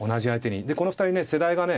でこの２人ね世代がね